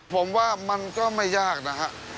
ผมว่ามันก็ไม่ยากนะฮะ